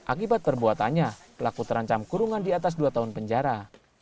akibat perbuatannya pelaku terancam kurungan di atas dua tahun penjara